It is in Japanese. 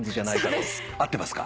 合ってますか？